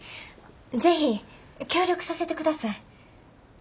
是非協力させてください。